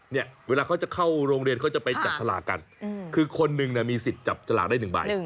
เนี่ยเวลาเขาจะเข้าโรงเรียนเขาจะไปจับฉลากกันคือคนหนึ่งมีสิทธิ์จับสลากได้หนึ่งใบ